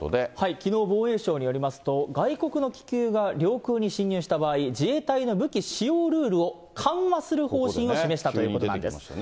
きのう、防衛省によりますと、外国の気球が領空に侵入した場合、自衛隊の武器使用ルールを緩和する方針を示したということなんです。